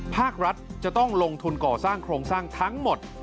ภาครัฐจะต้องลงทุนก่อสร้างโครงสร้างทั้งหมด